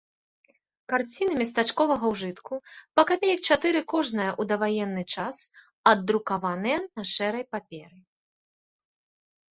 Карціны местачковага ўжытку, па капеек чатыры кожная ў даваенны час, аддрукаваныя на шэрай паперы.